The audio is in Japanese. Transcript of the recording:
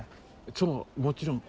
そうもちろん。